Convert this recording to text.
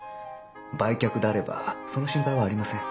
売却であればその心配はありません。